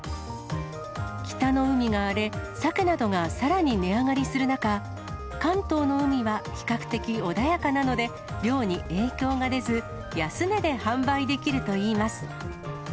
北の海が荒れ、鮭などがさらに値上がりする中、関東の海は比較的穏やかなので、漁に影響が出ず、安値で販売できるといいます。